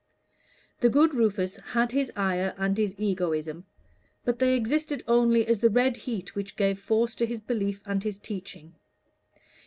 The good Rufus had his ire and his egoism; but they existed only as the red heat which gave force to his belief and his teaching.